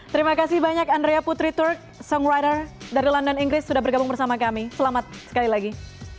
terima kasih banyak andrea putri turk song rider dari london inggris sudah bergabung bersama kami selamat sekali lagi